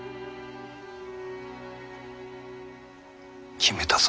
決めたぞ。